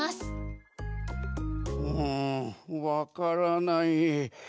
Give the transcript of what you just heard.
うんわからない。